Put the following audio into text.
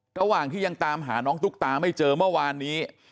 ระหว่างที่ยังตามหาน้องตุ๊กตาไม่เจอเมื่อวานนี้